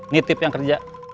nitip yang kerja